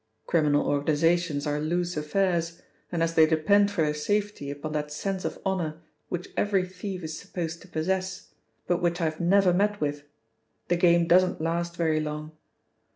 Criminal organisations are loose affairs, and as they depend for their safety upon that sense of honour which every thief is supposed to possess, but which I have never met with, the game doesn't last very long.